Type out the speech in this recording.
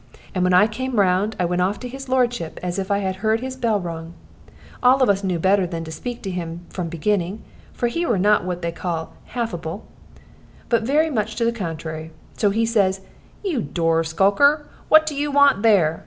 And when I come round I went off to his lordship, as if I had heared his bell ring. All of us knew better than to speak till him beginning, for he were not what they now call 'halfable,' but very much to the contrary. So he says, 'You door skulker, what do you want there?'